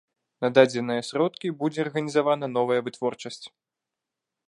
На дадзеныя сродкі будзе арганізавана новая вытворчасць.